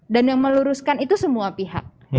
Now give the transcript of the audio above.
dan yang meluruskan itu semua pihak